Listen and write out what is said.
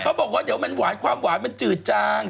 บอกว่าเดี๋ยวมันหวานความหวานมันจืดจาง